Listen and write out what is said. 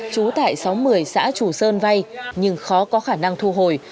chú tại sáu mươi xã chủ sơn vay nhưng khó có khả năng thu hồi